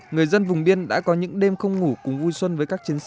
người dân vùng biên đã có những đêm không ngủ cùng vui xuân với các chiến sĩ